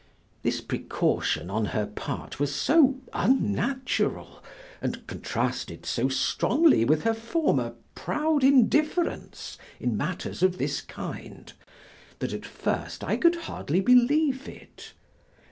This precaution on her part was so unnatural and contrasted so strongly with her former proud indifference in matters of this kind, that at first I could hardly believe it.